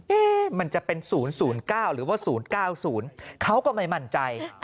มันจะเป็น๐๐๙หรือว่า๐๙๐เขาก็ไม่มั่นใจ